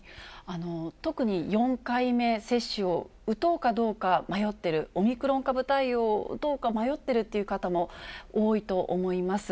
特に４回目接種を打とうかどうか迷っている、オミクロン株対応を打とうか迷ってるという方も多いと思います。